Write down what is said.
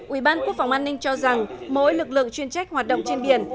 ủy ban quốc phòng an ninh cho rằng mỗi lực lượng chuyên trách hoạt động trên biển